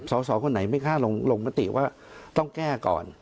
สอสอคนไหนไม่กล้าลงมติว่าต้องแก้ก่อน